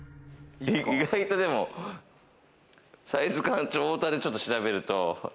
意外とでも、サイズ感、太田で調べると。